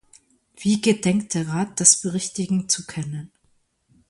Wie gedenkt der Rat das berichtigen zu können?